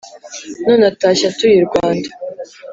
None atashye atuye i Rwanda.